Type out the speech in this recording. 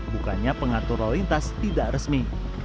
bukannya pengatur lalu lintas tidak resmi